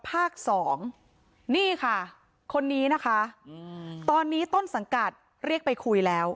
ภาคสองนี่ค่ะคนนี้นะคะตอนนี้ต้นสังกัดเรียกไปคุยแล้ว